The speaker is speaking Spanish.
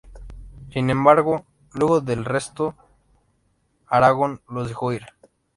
Sin embargo luego del reto, Aragón los dejó ir.